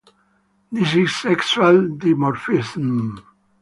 This is sexual dimorphism.